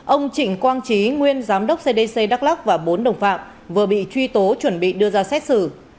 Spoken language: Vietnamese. ông trịnh quang trí nguyên giám đốc cdc đắk lắc và bốn đồng phạm vừa bị truy tố chuẩn bị đưa ra xét xử